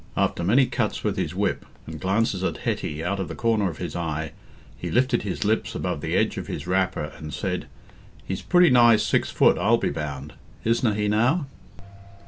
After many cuts with his whip and glances at Hetty out of the corner of his eye, he lifted his lips above the edge of his wrapper and said, "He's pretty nigh six foot, I'll be bound, isna he, now?"